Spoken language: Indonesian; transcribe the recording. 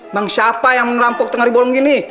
bang siapa yang merampok tengah ribung gini